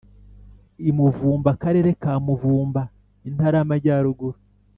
i Muvumba Akarere ka Muvumba Intara y amajyaruguru